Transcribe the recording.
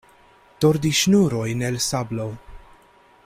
Tordi ŝnurojn el sablo.